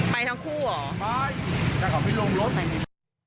ไปทั้งคู่เหรอไปจากกับพี่ลุงรถไปดี